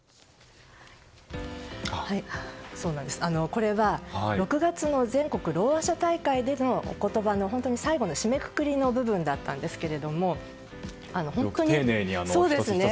これは、６月の全国ろうあ者大会でのお言葉の最後の締めくくりの部分だったんですけれども。